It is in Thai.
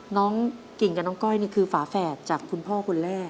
กิ่งกับน้องก้อยนี่คือฝาแฝดจากคุณพ่อคนแรก